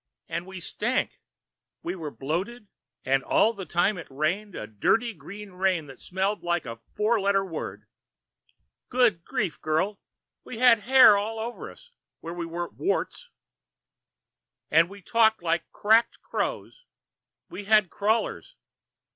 And we stank! We were bloated, and all the time it rained a dirty green rain that smelled like a four letter word. Good grief, girl! We had hair all over us where we weren't warts. And we talked like cracked crows. We had crawlers.